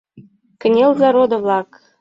— Кынелза, родо-влак!